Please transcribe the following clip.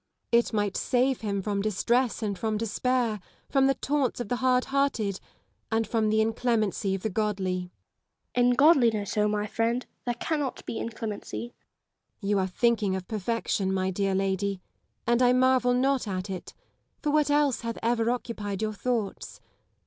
Elizabeth Gaunt. It might save him from distress and from despair, from the taunts of the hard hearted, and from the inclemency of the godly. Lady Lisle. In godliness, my friend ! there cannot be inclemency. Elizabeth Gaunt. You are thinking of perfection, my dear lady ; and I marvel not at it, for what else hath ever occupied your thoughts